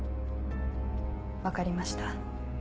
分かりました。